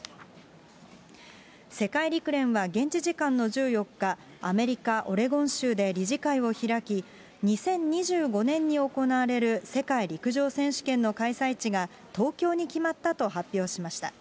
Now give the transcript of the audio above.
世界陸連は現地時間の１４日、アメリカ・オレゴン州で理事会を開き、２０２５年に行われる世界陸上選手権の開催地が、東京に決まったと発表しました。